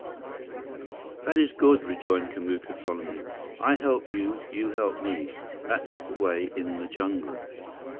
"That is good," rejoined Kamuka solemnly. "I help you. You help me. That is the way in the jungle."